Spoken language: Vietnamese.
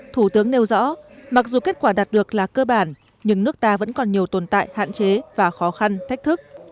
thủ tướng nêu rõ mặc dù kết quả đạt được là cơ bản nhưng nước ta vẫn còn nhiều tồn tại hạn chế và khó khăn thách thức